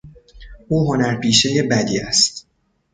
او هنرپیشهی بدی است.